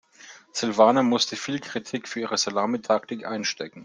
Silvana musste viel Kritik für ihre Salamitaktik einstecken.